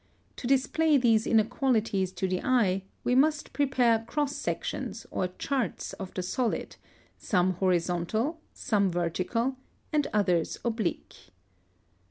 To display these inequalities to the eye, we must prepare cross sections or charts of the solid, some horizontal, some vertical, and others oblique.